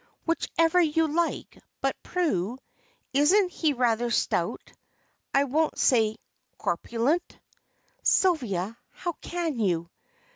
"Whichever you like. But, Prue, isn't he rather stout, I won't say corpulent?" "Sylvia, how can you!